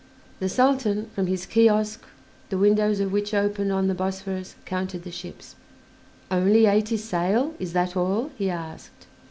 The Sultan, from his kiosk, the windows of which opened on the Bosphorus, counted the ships. "Only eighty sail; is that all?" he asked.